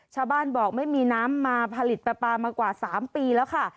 ชาวบ้านบอกไม่มีน้ำมาผลิตปลาปลามากว่า๓ปีแล้วค่ะ